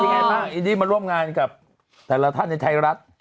ยังไงบ้างอินดี้มาร่วมงานกับแต่ละท่านในไทยรัฐ